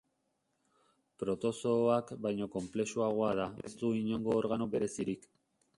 Protozooak baino konplexuagoa da, baina ez du inongo organo berezirik.